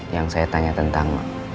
yang saya tanya tentang